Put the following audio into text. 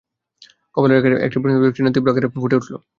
কপালের রেখায় রেখায় একটি প্রশ্নবোধক চিহ্ন তীব্র আকারে ফুটে উঠল।